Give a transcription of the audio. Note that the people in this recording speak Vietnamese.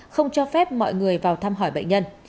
không cho phép mọi người vào thăm hỏi bệnh nhân